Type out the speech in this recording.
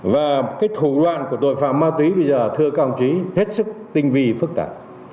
và cái thủ đoạn của tội phạm ma túy bây giờ thưa các ông chí hết sức tinh vi phức tạp